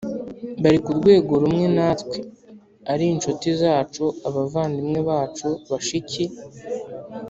bari ku rwego rumwe natwe, ari inshuti zacu, abavandimwe bacu, bashiki